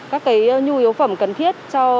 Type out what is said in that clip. các cái nhu yếu phẩm cần thiết cho